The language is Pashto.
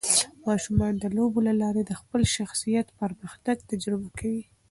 ماشومان د لوبو له لارې د خپل شخصیت پرمختګ تجربه کوي.